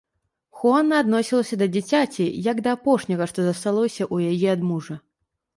Хуана адносілася да дзіцяці, як да апошняга, што засталося ў яе ад мужа.